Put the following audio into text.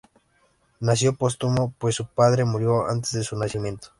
Nació póstumo, pues su padre murió antes de su nacimiento.